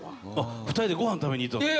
２人でごはん食べに行ってたんですか？